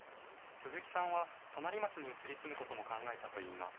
鈴木さんは、隣町に移り住むことも考えたといいます。